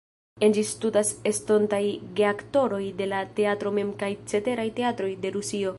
En ĝi studas estontaj geaktoroj de la teatro mem kaj ceteraj teatroj de Rusio.